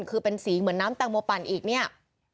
คือเป็นสีเหมือนน้ำแตงโมปั่นอีกเนี่ย